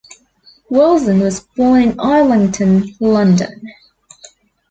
Wilson was born in Islington, London.